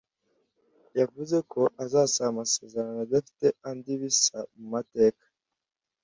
yavuze ko azasaba “amasezerano adafite andi bisa mu mateka”